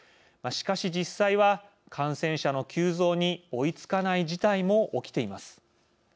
しかし、実際は感染者の急増に追いつかない事態も起きています。